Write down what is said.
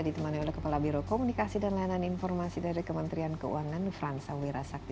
ditemani oleh kepala biro komunikasi dan layanan informasi dari kementerian keuangan franza wira sakti